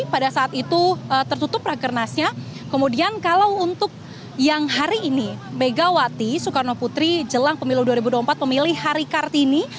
pada saat itu tertutup rakernasnya kemudian kalau untuk yang hari ini megawati soekarno putri jelang pemilu dua ribu dua puluh empat pemilih hari kartini